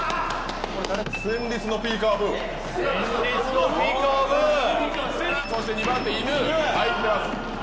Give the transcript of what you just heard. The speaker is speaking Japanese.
戦慄のピーカブー戦慄のピーカブーそして２番手いぬ入ってます